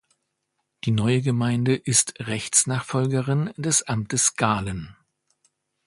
Die neue Gemeinde ist Rechtsnachfolgerin des Amtes Gahlen.